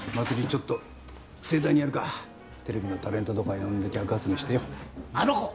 ちょっと盛大にやるかテレビのタレントとか呼んで客集めしてよあの子！